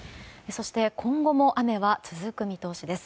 そして、今後も雨は続く見通しです。